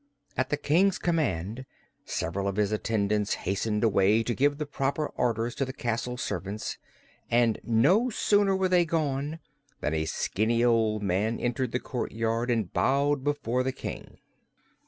At the King's command several of his attendants hastened away to give the proper orders to the castle servants and no sooner were they gone than a skinny old man entered the courtyard and bowed before the King.